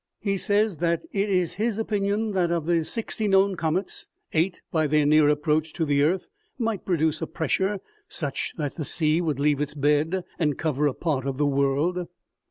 He says that it is his opinion that, of the sixty known comets, eight, by their near approach to the earth, might produce a pressure such that the sea would leave its bed and cover a part of the world."